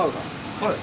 はい。